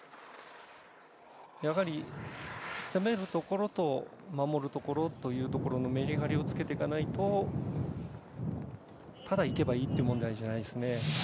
やはり、攻めるところと守るところというところのメリハリをつけていかないとただ、行けばいいという問題じゃないですね。